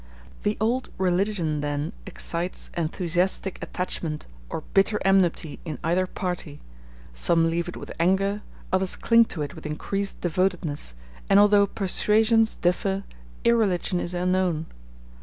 The old religion then excites enthusiastic attachment or bitter enmity in either party; some leave it with anger, others cling to it with increased devotedness, and although persuasions differ, irreligion is unknown.